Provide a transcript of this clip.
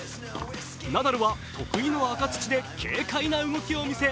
ナダルは得意の赤土で軽快な動きを見せ